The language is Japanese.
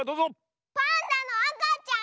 パンダのあかちゃん？